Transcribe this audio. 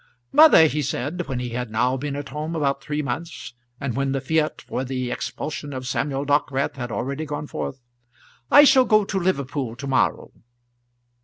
"Mother," he said, when he had now been at home about three months, and when the fiat for the expulsion of Samuel Dockwrath had already gone forth, "I shall go to Liverpool to morrow."